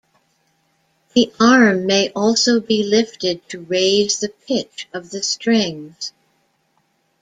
The arm may also be lifted to raise the pitch of the strings.